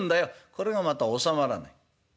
これがまたおさまらない。